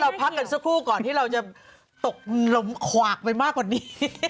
พักกันสักครู่ก่อนที่เราจะตกลมขวากไปมากกว่านี้